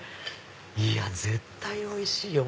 いや絶対おいしいよ！